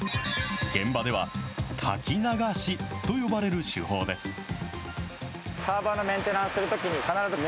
現場では、滝流しと呼ばれる手法です。